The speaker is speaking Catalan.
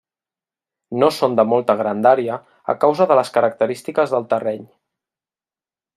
No són de molta grandària a causa de les característiques del terreny.